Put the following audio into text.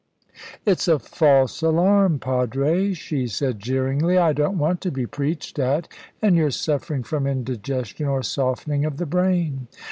"It's a false alarm, padre," she said jeeringly. "I don't want to be preached at, and you're suffering from indigestion, or softening of the brain."